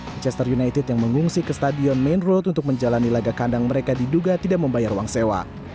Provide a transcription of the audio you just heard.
manchester united yang mengungsi ke stadion main road untuk menjalani laga kandang mereka diduga tidak membayar uang sewa